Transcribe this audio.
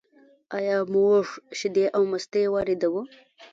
آیا موږ شیدې او مستې واردوو؟